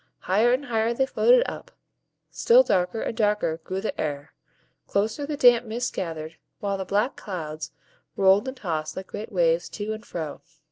Higher and higher they floated up, still darker and darker grew the air, closer the damp mist gathered, while the black clouds rolled and tossed, like great waves, to and fro.